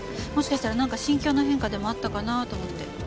もしかしたらなんか心境の変化でもあったかなと思って。